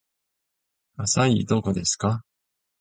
アサイーどこですか